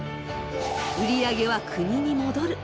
売り上げは国に戻る。